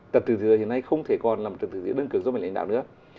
trật tự thế giới hiện nay không thể còn là một trật tự thế giới đơn cực do mình lãnh đạo nữa